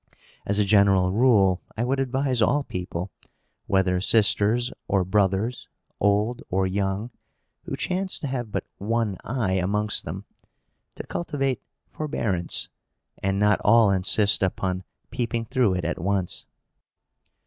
As a general rule, I would advise all people, whether sisters or brothers, old or young, who chance to have but one eye amongst them, to cultivate forbearance, and not all insist upon peeping through it at once.